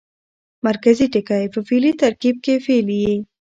مرکزي ټکی په فعلي ترکیب کښي فعل يي.